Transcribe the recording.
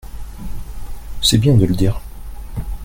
C’est bien de le dire.